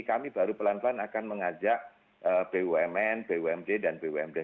kami baru pelan pelan akan mengajak bumn bumd dan bumd